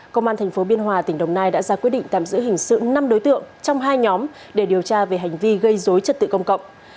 công an tp biên hòa tỉnh đồng nai đã ra quyết định tạm giữ hình sự năm đối tượng trong hai nhóm để điều tra về hành vi gây dối trật tự công cộng